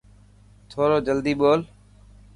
ٿورو جلدي ٻول.